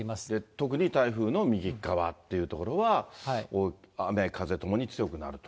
特に台風の右っ側という所は、雨風ともに強くなると。